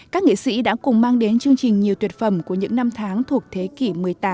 các nghệ sĩ đã cùng mang đến chương trình nhiều tuyệt phẩm của những năm tháng thuộc thế kỷ một mươi tám một mươi chín hai mươi